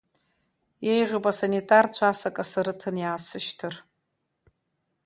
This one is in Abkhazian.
Еиӷьуп асанитарцәа асакаса рыҭаны иаасышьҭыр.